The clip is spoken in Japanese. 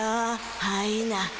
はいな。